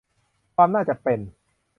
ความน่าจะเป็น